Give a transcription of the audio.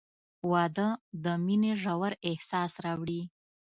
• واده د مینې ژور احساس راوړي.